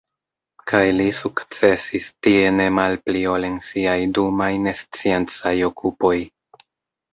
Kaj li sukcesis tie ne malpli ol en siaj dumaj nesciencaj okupoj.